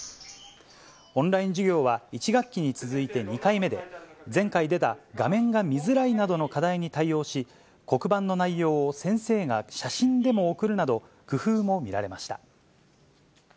オンライン授業は１学期に続いて２回目で、前回出た画面が見づらいなどの課題に対応し、黒板の内容を先生が写真でも送るなど工夫も見られました。